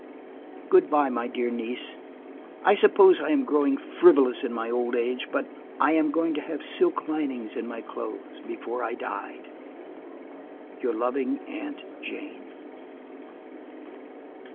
"Good by, my dear niece. I suppose I am growing frivolous in my old age, but I am going to have silk linings in my clothes before I die. "YOUR LOVING AUNT JANE."